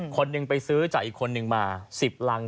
คนหนึ่งไปซื้อจากอีกคนนึงมา๑๐รัง